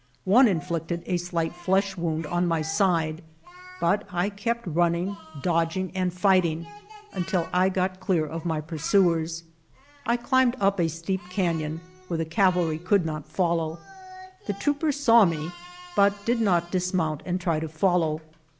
One inflicted a slight flesh wound on my side, but I kept running, dodging, and fighting, until I got clear of my pur suers. I climbed up a steep canon, where the cavalry could not follow. The troopers saw me, but did not dismount and try to follow.